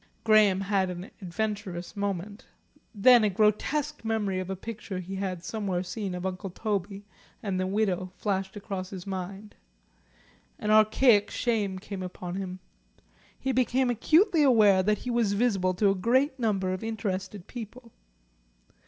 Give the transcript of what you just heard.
Graham had an adventurous moment. Then a grotesque memory of a picture he had somewhere seen of Uncle Toby and the widow flashed across his mind. An archaic shame came upon him. He became acutely aware that he was visible to a great number of interested people.